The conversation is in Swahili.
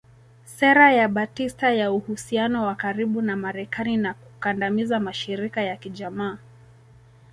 Sera ya Batista ya uhusiano wa karibu na Marekani na kukandamiza mashirika ya kijamaa